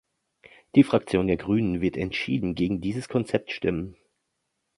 Die Fraktion der Grünen wird entschieden gegen dieses Konzept stimmen.